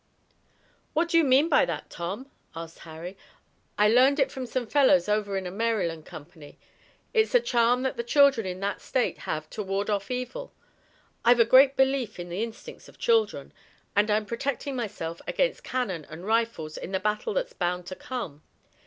"What do you mean by that, Tom?" asked Harry. "I learned it from some fellows over in a Maryland company. It's a charm that the children in that state have to ward off evil. I've a great belief in the instincts of children, and I'm protecting myself against cannon and rifles in the battle that's bound to come.